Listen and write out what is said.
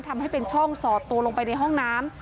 ทำให้เป็นช่องสอดตัวลงไปในห้องน้ำ